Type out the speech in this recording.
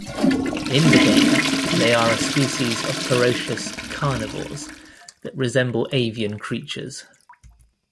In the game, they are a species of ferocious carnivores that resemble avian creatures.